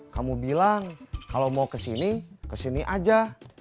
kamu bilang kalau mau kesini kesini aja